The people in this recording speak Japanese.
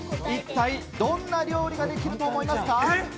一体どんな料理ができると思いますか？